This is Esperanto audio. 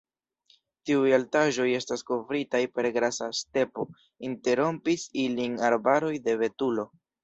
Tiuj altaĵoj estas kovritaj per grasa stepo, interrompis ilin arbaroj de betulo.